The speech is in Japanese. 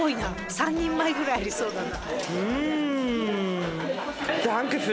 ３人前ぐらいありそうだな。